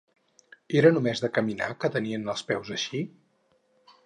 Era només de caminar que tenien els peus així?